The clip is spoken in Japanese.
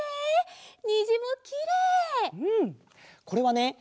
これはね